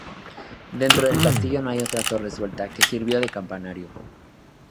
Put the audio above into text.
Dentro del castillo hay otra torre suelta, que sirvió de campanario.